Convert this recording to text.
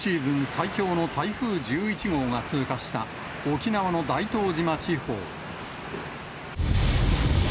最強の台風１１号が通過した沖縄の大東島地方。